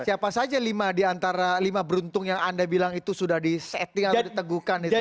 siapa saja lima diantara lima beruntung yang anda bilang itu sudah disetting atau diteguhkan itu